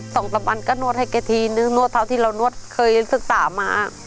สองสามวันก็นวดให้แกทีนึงนวดเท่าที่เรานวดเคยศึกษามา